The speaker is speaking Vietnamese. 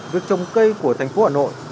việc trồng cây của thành phố hà nội